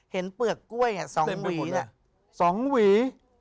เห็นเปลือกกล้วยสองหวีสองหวี